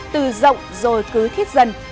từ rộng rồi cứ thiết dần